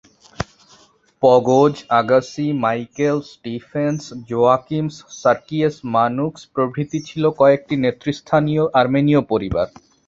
Pogose, Agassi, Michael, Stephens, জোয়াকিমস, Sarkies Manooks প্রভৃতি ছিল কয়েকটি নেতৃস্থানীয় আর্মেনীয় পরিবার।